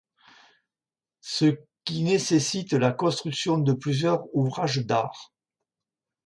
Ce qui nécessite la construction de plusieurs ouvrages d'arts.